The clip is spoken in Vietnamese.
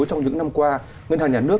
trong những năm qua ngân hàng nhà nước